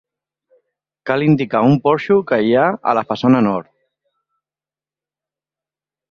Cal indicar un porxo que hi ha a la façana nord.